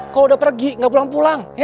kalo udah pergi gak pulang pulang ya